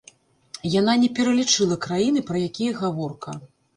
Яна не пералічыла краіны, пра якія гаворка.